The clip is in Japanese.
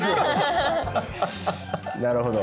なるほど。